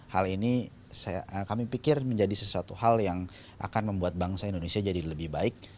hal ini kami pikir menjadi sesuatu hal yang akan membuat bangsa indonesia jadi lebih baik